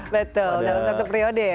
betul dalam satu periode ya